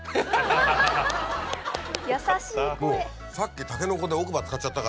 優しい声。